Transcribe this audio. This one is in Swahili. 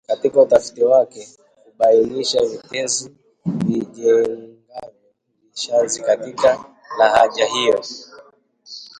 katika utafiti wake kwa kubainisha vitenzi vijengavyo vishazi katika lahaja hiyo